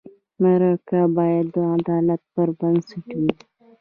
مرکه باید د عدالت پر بنسټ وي.